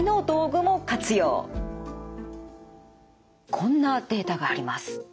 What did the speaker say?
こんなデータがあります。